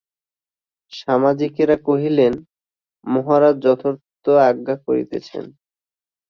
সামাজিকেরা কহিলেন, মহারাজ যথার্থ আজ্ঞা করিতেছেন।